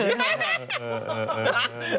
เออ